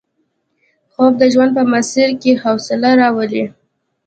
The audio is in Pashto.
خوب د ژوند په مسیر کې حوصله راوړي